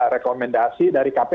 rekomendasi dari kp